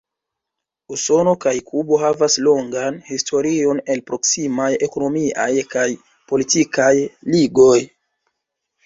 Usono kaj Kubo havas longan historion el proksimaj ekonomiaj kaj politikaj ligoj.